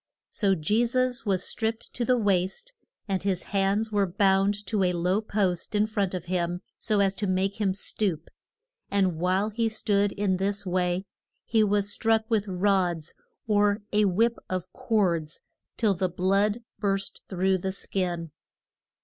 So Je sus was stripped to the waist, and his hands were bound to a low post in front of him so as to make him stoop, and while he stood in this way he was struck with rods, or a whip of cords, till the blood burst through the skin.